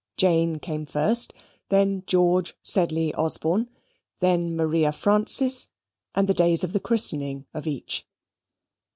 Jane came first, then George Sedley Osborne, then Maria Frances, and the days of the christening of each.